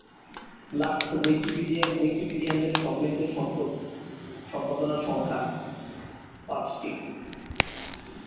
লাক উইকিপিডিয়ায় উইকিপিডিয়ানদের সম্মিলিত সম্পাদনার সংখ্যা টি।